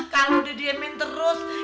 kalau didiamin terus